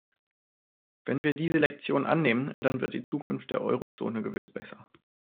Wenn wir diese Lektion annehmen, dann wird die Zukunft der Eurozone gewiss besser.